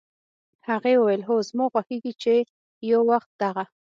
هغې وویل: "هو، زما خوښېږي چې یو وخت دغه